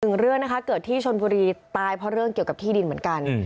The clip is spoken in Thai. หนึ่งเรื่องนะคะเกิดที่ชนบุรีตายเพราะเรื่องเกี่ยวกับที่ดินเหมือนกัน